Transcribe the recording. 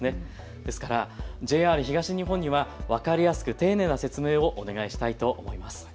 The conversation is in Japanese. ですからＪＲ東日本には分かりやすく丁寧な説明をお願いしたいと思います。